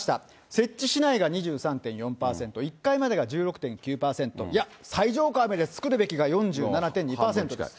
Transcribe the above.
設置しないが２３．４％、１階までが１６．９％、いや、最上階まで作るべきが４７．２％です。